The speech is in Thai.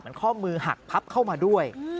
ข้อมือหักพับเข้ามาด้วย